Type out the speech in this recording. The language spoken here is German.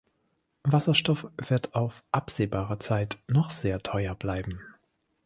Wasserstoff wird auf absehbare Zeit noch sehr teuer bleiben.